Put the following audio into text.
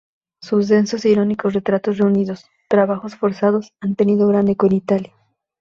Sus densos e irónicos retratos, reunidos "Trabajos forzados", han tenido gran eco en Italia.